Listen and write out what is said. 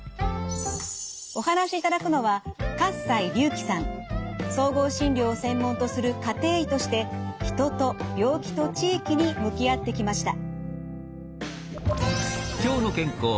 お話しいただくのは総合診療を専門とする家庭医として人と病気と地域に向き合ってきました。